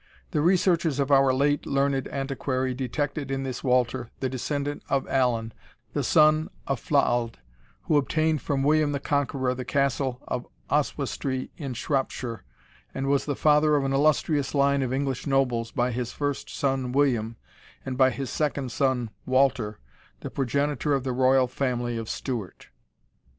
The researches of our late learned antiquary detected in this Walter, the descendant of Allan, the son of Flaald, who obtained from William the Conqueror the Castle of Oswestry in Shropshire, and was the father of an illustrious line of English nobles, by his first son, William, and by his second son, Walter, the progenitor of the royal family of Stewart.